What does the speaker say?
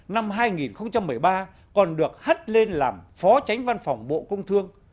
năm hai nghìn một mươi ba còn được hắt lên làm phó tránh văn phòng bộ công thương